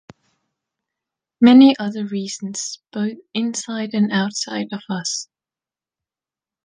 Many other reasons both inside and outside of us.